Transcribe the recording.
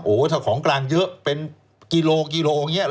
โอ้โหถ้าของกลางเยอะเป็นกิโลกิโลอย่างนี้เห